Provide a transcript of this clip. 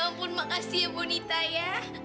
ya ampun makasih ya ibu nita ya